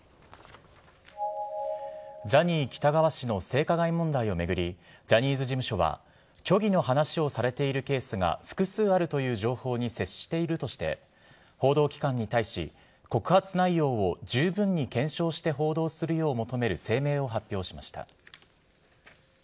ジャニー喜多川氏の性加害問題を巡り、ジャニーズ事務所は、虚偽の話をされているケースが複数あるという情報に接しているとして、報道機関に対し、告発内容を十分に検証して報道するよう求める声明を発表しました。